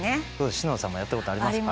篠田さんもやったことありますか？